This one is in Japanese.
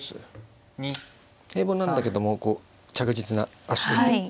平凡なんだけども着実な足取りうん。